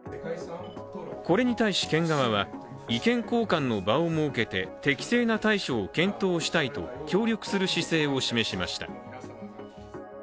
これに対し、県側は意見交換の場を設けて、適正な対処を検討したいと協力する姿勢を示しました。